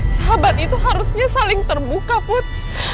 sahabat itu harusnya saling terbuka put